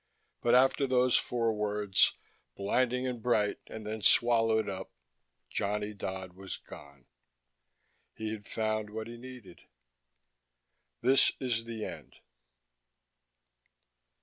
But after those four words, blinding and bright and then swallowed up, Johnny Dodd was gone. He had found what he needed. _This is the end.